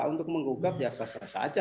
untuk menggugat ya sah sah saja